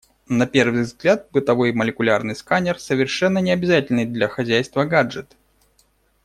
На первый взгляд, бытовой молекулярный сканер — совершенно не обязательный для хозяйства гаджет.